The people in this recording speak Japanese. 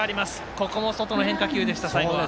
ここも外の変化球でした、最後。